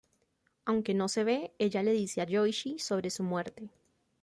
Aunque no se ve, ella le dice a Yoichi sobre su muerte.